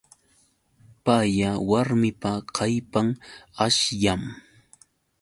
Paya warmipa kallpan ashllam.